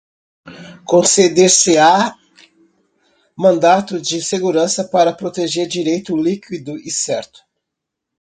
conceder-se-á mandado de segurança para proteger direito líquido e certo